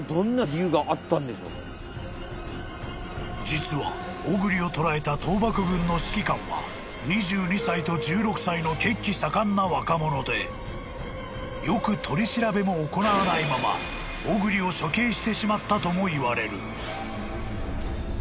［実は小栗を捕らえた倒幕軍の指揮官は２２歳と１６歳の血気盛んな若者でよく取り調べも行わないまま小栗を処刑してしまったともいわれる］